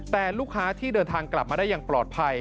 แต่ลูกค้าที่เดินทางกลับมาได้อย่างปลอดภัย